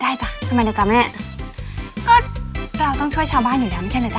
จ้ะทำไมนะจ๊ะแม่ก็เราต้องช่วยชาวบ้านอยู่แล้วไม่ใช่เหรอจ